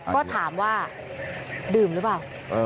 ก็ถามว่าดื่มหรือเปล่า